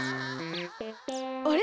あれ？